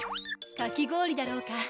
かき氷だろうか？